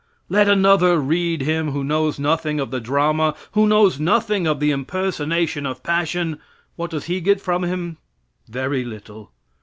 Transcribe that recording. Let another read him who knows nothing of the drama, who knows nothing of the impersonation of passion; what does he get from him? Very little.